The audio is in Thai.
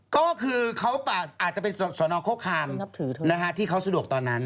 ก็คือเขาอาจจะเป็นสนโคคามที่เขาสะดวกตอนนั้น